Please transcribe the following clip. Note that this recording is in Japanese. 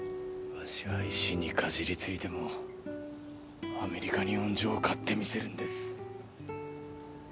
わしは石にかじりついてもアメリカの恩情を買ってみせるんです